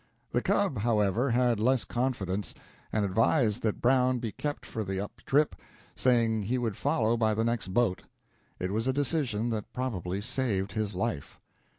The "cub," however, had less confidence, and advised that Brown be kept for the up trip, saying he would follow by the next boat. It was a decision that probably saved his life.